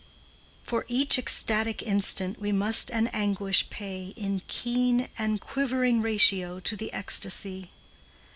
For each ecstatic instant We must an anguish pay In keen and quivering ratio To the ecstasy.